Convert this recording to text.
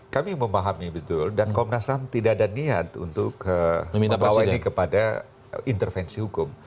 kami memahami betul dan komnasam tidak ada niat untuk membawanya kepada intervensi hukum